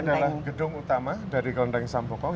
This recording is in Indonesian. jadi ini adalah gedung utama dari klenteng sampokong